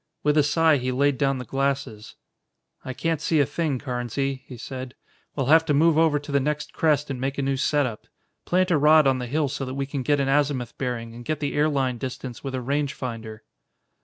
With a sigh he laid down the glasses. "I can't see a thing, Carnesy," he said. "We'll have to move over to the next crest and make a new set up. Plant a rod on the hill so that we can get an azimuth bearing and get the airline distance with a range finder."